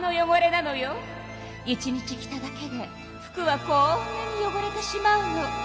１日着ただけで服はこんなによごれてしまうの。